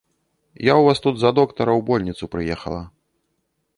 Я ў вас тут за доктара ў больніцу прыехала.